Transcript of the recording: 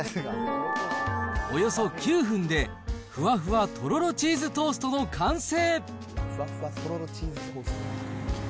およそ９分で、ふわふわとろろチーズトーストの完成。